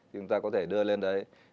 chúng ta có thể đưa lên đấy